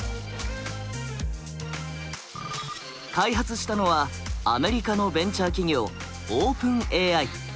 開発したのはアメリカのベンチャー企業ＯｐｅｎＡＩ。